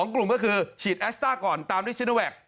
๒กลุ่มก็คือฉีดแอสต้าก่อนตามด้วยซิโนแวค